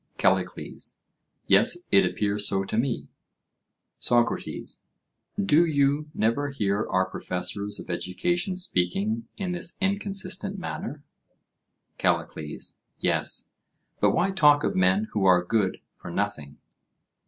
CALLICLES: Yes, it appears so to me. SOCRATES: Do you never hear our professors of education speaking in this inconsistent manner? CALLICLES: Yes, but why talk of men who are good for nothing?